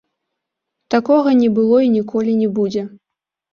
Такога не было і ніколі не будзе.